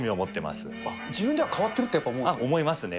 自分では変わってるってやっあっ、思いますね。